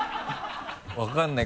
分かんない。